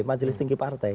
majelis tinggi partai